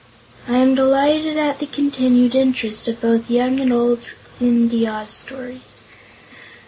I am delighted at the continued interest of both young and old in the Oz stories.